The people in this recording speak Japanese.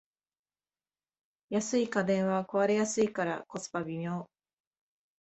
安い家電は壊れやすいからコスパ微妙